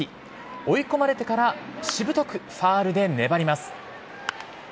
追い込まれてからしぶとくファウルで粘ります。